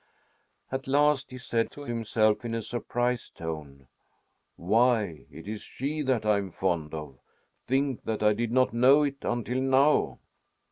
At last he said to himself in a surprised tone: "Why, it is she that I'm fond of! Think, that I did not know it until now!"